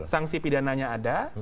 sanksi pidananya ada